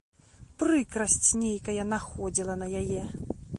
Прыкрасць нейкая находзіла на яе.